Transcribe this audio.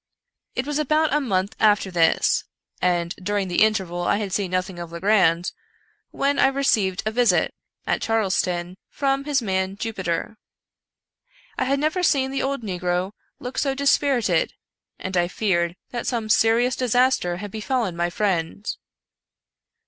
It was about a month after this (and during the interval I had seen nothing of Legrand) when I received a visit, at Charleston, from his man, Jupiter. I had never seen the good old negro look so dispirited, and I feared that some serious disaster had befallen my friend.